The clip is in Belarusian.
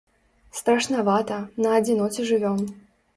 Страшнавата, на адзіноце жывём.